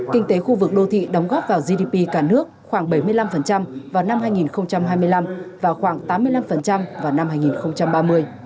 kinh tế khu vực đô thị đóng góp vào gdp cả nước khoảng bảy mươi năm vào năm hai nghìn hai mươi năm và khoảng tám mươi năm vào năm hai nghìn ba mươi